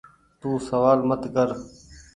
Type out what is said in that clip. تو سوآل مت ڪر ۔